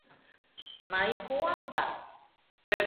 Nahikoa da!